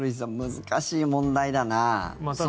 難しい問題だな。